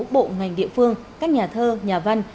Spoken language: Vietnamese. bộ ngành địa phương các nhà thơ nhà văn